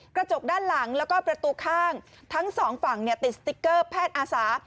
กระจกด้านหลังแล้วก็ประตูข้างทั้งสองฝั่งเนี่ยติดสติ๊กเกอร์แพทย์อาสา